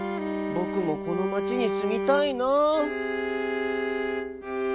ぼくもこの町にすみたいなあ」。